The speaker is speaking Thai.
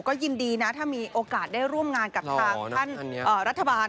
ก็ยินดีนะถ้ามีโอกาสได้ร่วมงานกับทางท่านรัฐบาล